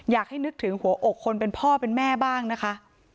อยากให้นึกถึงหัวอกคนเป็นพ่อเป็นแม่บ้างนะคะ